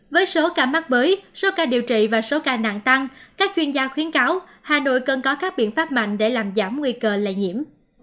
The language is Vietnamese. với số ca mắc mới số ca điều trị và số ca nặng tăng các chuyên gia khuyến cáo hà nội cần có các biện pháp mạnh để làm giảm nguy cơ lây nhiễm